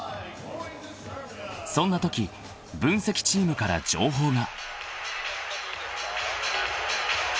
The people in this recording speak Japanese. ［そんなとき分析チームから情報が］